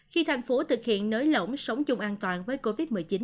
khi thành phố thực hiện nới lỏng sống chung an toàn với covid một mươi chín